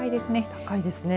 高いですね。